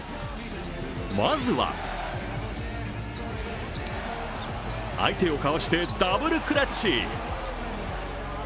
まずは、相手をかわしてダブルクラッチ。